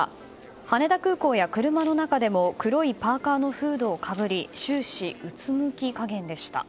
羽田空港や車の中でも黒いパーカのフードをかぶり終始、うつむき加減でした。